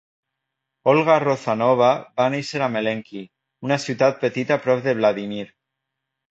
Olga Rózanova va néixer a Mélenki, una ciutat petita prop de Vladímir.